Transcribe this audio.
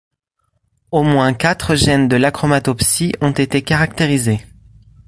Au moins quatre gènes de l'achromatopsie ont été caractérisés.